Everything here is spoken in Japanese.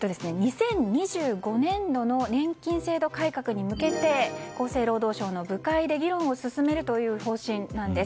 ２０２５年度の年金制度改革に向けて厚生労働省の部会で議論を進めるという方針です。